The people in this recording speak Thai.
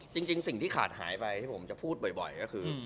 จริงสิ่งที่ขาดหายไปที่ผมจะพูดบ่อยก็คือ